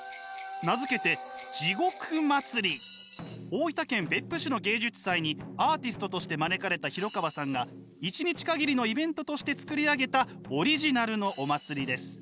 名付けて大分県別府市の芸術祭にアーティストとして招かれた廣川さんが１日限りのイベントとして作り上げたオリジナルのお祭りです。